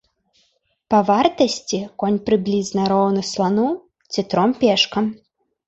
Па вартасці конь прыблізна роўны слану ці тром пешкам.